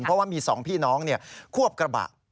เพราะว่ามี๒พี่น้องควบกระบะ